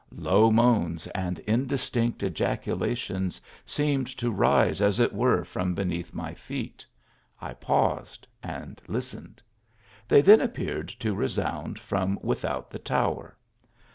Low moans and indistinct ejaculations seemed to rise as it were from beneath my feet ; I paused and listened. They then appear ed to resound from without the tower.